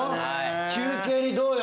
休憩にどうよ？